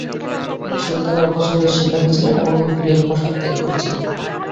তিনি সুলতানের অপছন্দের শিকার হয়েছিলেন এবং ইম্পেরিয়াল প্রাসাদ ত্যাগ করেছিলেন।